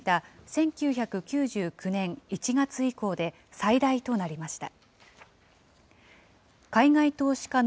１９９９年１月以降で最大となりました。